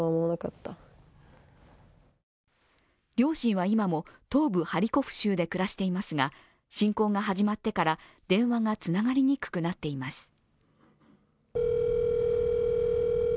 両親は今も東部ハリコフ州で暮らしていますが侵攻が始まってから電話がつながりにくくなっています。